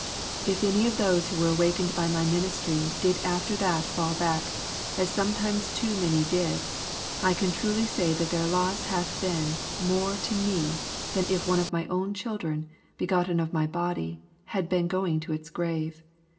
'If any of those who were awakened by my ministry did after that fall back, as sometimes too many did, I can truly say that their loss hath been more to me than if one of my own children, begotten of my body, had been going to its grave.